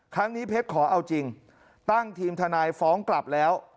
เพชรขอเอาจริงตั้งทีมทนายฟ้องกลับแล้ว